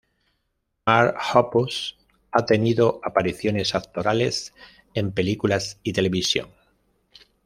Mark Hoppus ha tenido apariciones actorales en películas y televisión.